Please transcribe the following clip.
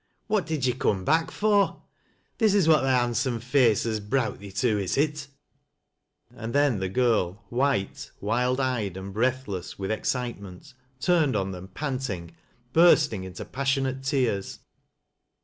" What did you coom back for ? This is what thy handsome face has browt thee to, is it ?" And then the girl, white, wild eyed and breathless witl excitement, turned on them, panting, bursting into pas sionate tears.